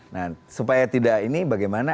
nah supaya tidak ini bagaimana